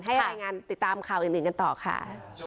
ให้รายงานติดตามข่าวอีกหนึ่งกันต่อค่ะ